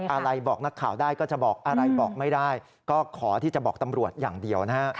อะไรบอกนักข่าวได้ก็จะบอกอะไรบอกไม่ได้ก็ขอที่จะบอกตำรวจอย่างเดียวนะฮะ